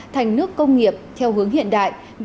thành nước cộng hòa